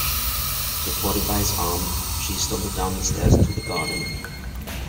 Supported by his arm she stumbled down the stairs to the garden.